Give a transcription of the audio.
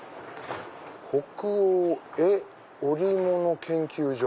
「北欧絵織物研究所」。